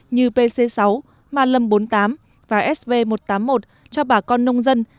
như pc sáu ma lâm bốn mươi tám và sv một trăm tám mươi một cho bà con nông dân